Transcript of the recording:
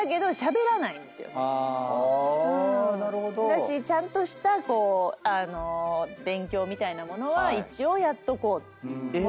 だしちゃんとした勉強みたいなものは一応やっとこう。